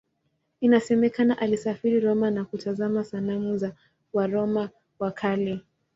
Inasemekana alisafiri Roma na kutazama sanamu za Waroma wa Kale.